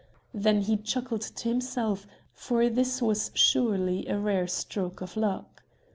Then he chuckled to himself, for this was surely a rare stroke of luck.